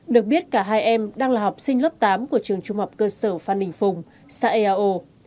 được biết cả hai em đang là học sinh lớp tám của trường trung học cơ sở phan đình phùng xã eao